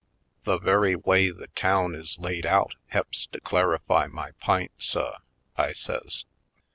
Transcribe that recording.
The very way the town is laid out he'ps to clarify my p'int, suh," I says.